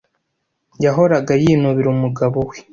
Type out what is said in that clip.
Yahoraga yinubira umugabo we.